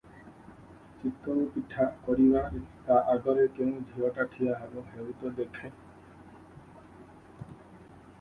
ଚିତଉପିଠା କରିବାରେ ତା ଆଗରେ କେଉଁ ଝିଅଟା ଠିଆ ହେବ ହେଉ ତ ଦେଖେଁ ।